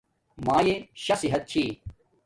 مالݵݵ شا صحت چھی